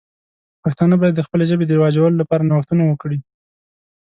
پښتانه باید د خپلې ژبې د رواجولو لپاره نوښتونه وکړي.